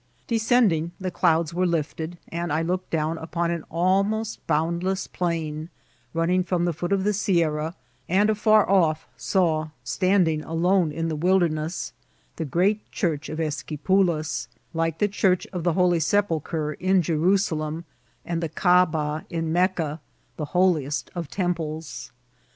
Descending, the clouds were lifted, and I looked down upon an ahnost boundless i^ain, running from the foot of the Siearra, and afrur off saw, standing akme in the wilderness, the great church of Esquqiulas, like the Church of the Hcdy Sepulchre in Jerusalem, and the Caaba in Mecca, the holiest of temples.